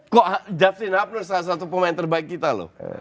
kok justin hubnur salah satu pemain terbaik kita loh